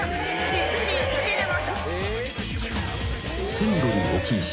［線路に置き石。